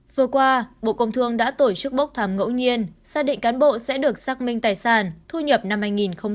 vừa qua bộ công thương đã tổ chức bốc thăm ngẫu nhiên xác định cán bộ sẽ được xác minh tài sản thu nhập năm hai nghìn hai mươi